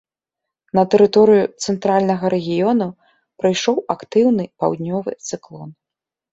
На тэрыторыю цэнтральнага рэгіёну прыйшоў актыўны паўднёвы цыклон.